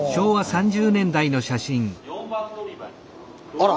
あら！